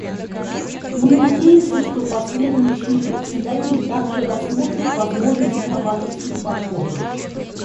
Мы надеемся, что последующие председатели также рассмотрят возможность новаторских подходов.